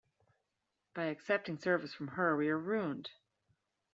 By accepting service from Her we are ruined.